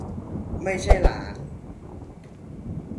ไม่ใช่หลาน